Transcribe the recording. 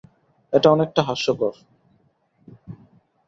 এটা অনেকটা হাস্যকর।